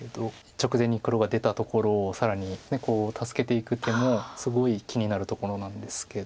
直前に黒が出たところを更に助けていく手もすごい気になるところなんですけど。